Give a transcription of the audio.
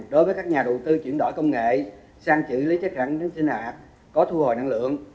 đối với các nhà đầu tư chuyển đổi công nghệ sang chữ lý chất khẳng sinh hạt có thu hồi năng lượng